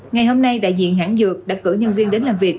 ngày hôm nay đại diện hãng dược đã cử nhân viên đến làm việc